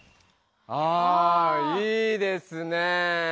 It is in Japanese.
あいいですねぇ。